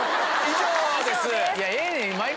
以上です。